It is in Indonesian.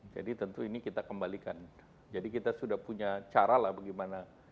jadi tentu ini kita kembalikan jadi kita sudah punya cara lah bagaimana